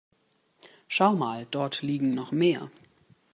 Schau mal, dort liegen noch mehr.